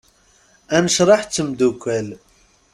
Anecraḥ d temddukal.